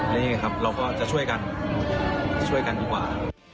เราก็จะช่วยกันช่วยกันดีกว่า